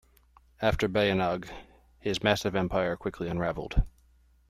After Bayinnaung, his massive empire quickly unraveled.